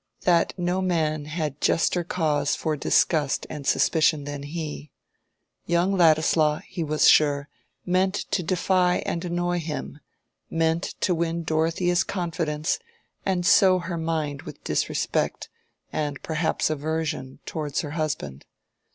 that no man had juster cause for disgust and suspicion than he. Young Ladislaw, he was sure, meant to defy and annoy him, meant to win Dorothea's confidence and sow her mind with disrespect, and perhaps aversion, towards her husband.